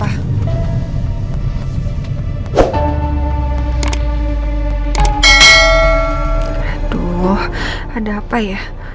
aduh ada apa ya